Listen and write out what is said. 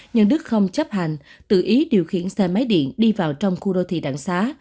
nhưng đức không chấp hành tự ý điều khiển xe máy điện đi vào trong khu đô thị đặng xá